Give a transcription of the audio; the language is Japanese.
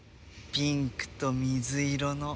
ピンクと水色の。